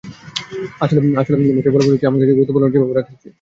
আসলে ম্যাচের ফলের চেয়ে আমার কাছে গুরুত্বপূর্ণ হলো যেভাবে ওরা খেলেছে।